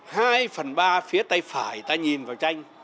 hai phần ba phía tay phải ta nhìn vào tranh